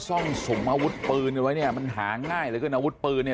ซ่องส่งอาวุธปืนไว้เนี่ยมันหาง่ายเกินอาวุธปืนนี่